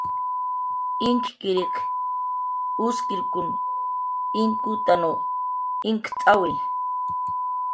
Inkkiriq uskirkun inkutanw inkt'awi